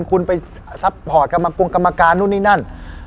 คุณไปซัพพอร์ตกรรมมากงกรรมการนู่นนี่นั่น